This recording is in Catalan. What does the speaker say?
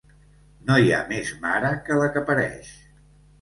No hi ha més mare que la que pareix.